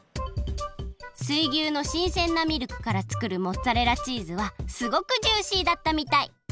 水牛のしんせんなミルクから作るモッツァレラチーズはすごくジューシーだったみたい